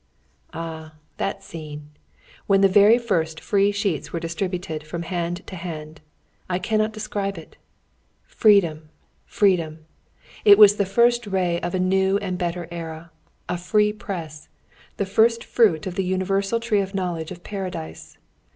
Ah, that scene! when the very first free sheets were distributed from hand to hand! I cannot describe it. "Freedom, freedom!" It was the first ray of a new and better era!... A free press! the first fruit of the universal tree of knowledge of Paradise.